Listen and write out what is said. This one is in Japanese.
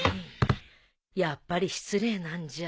やっぱり失礼なんじゃ。